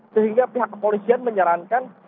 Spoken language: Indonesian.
sehingga pihak kepolisian menyarankan